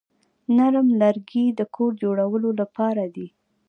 نرم لرګي د کور جوړولو لپاره دي.